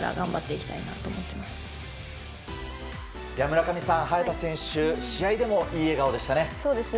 村上さん、早田選手試合でもいい笑顔でしたね。